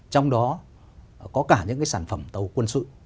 trong đó có cả những cái sản phẩm tàu quân sự